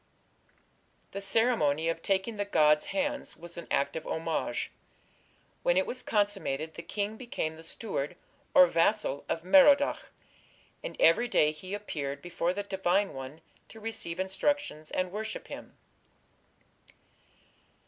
The ceremony of taking the god's hands was an act of homage. When it was consummated the king became the steward or vassal of Merodach, and every day he appeared before the divine one to receive instructions and worship him.